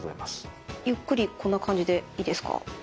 ゆっくりこんな感じでいいですか？